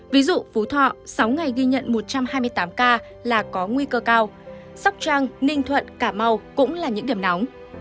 ví dụ phú thọ sáu ngày ghi nhận một trăm hai mươi tám ca là có nguy cơ cao sóc trăng ninh thuận cà mau cũng là những điểm nóng